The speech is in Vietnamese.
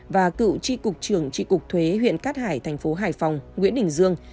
và cựu tri cục trưởng tri cục thuế huyện cát hải thành phố hải phòng nguyễn đình dương